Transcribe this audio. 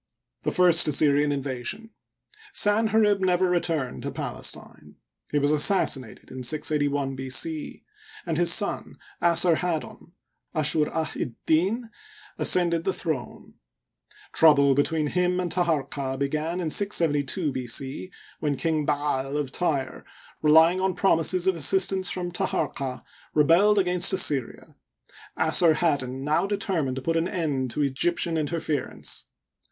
The First Assyrian Invasion. — Sanherib never returned to Palestine. He was assassinated in 68 1 B. c, and his son, Assarhaddon (Ashur ah'tddin), ascended the throne. Trouble between him and Taharqa began in 672 B. c, when King Ba'al^ of Tyre, relying on promises of assistance from Taharqa, rebelled against Assyria. Assarhaddon now determined to put an end to Egyptian interference.